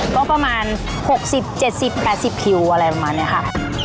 ก็ประมาณ๖๐๗๐๘๐คิวอะไรประมาณนี้ค่ะ